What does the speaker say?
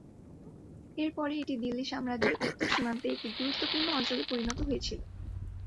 এর পরে এটি দিল্লি সাম্রাজ্যের উত্তর সীমান্তে একটি গুরুত্বপূর্ণ অঞ্চলে পরিণত হয়েছিল।